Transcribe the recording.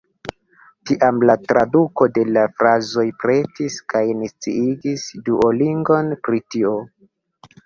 Tiam la traduko de la frazoj pretis kaj ni sciigis Duolingon pri tio.